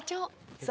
さあ